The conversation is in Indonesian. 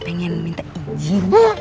pengen minta izin